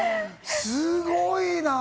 すごいな！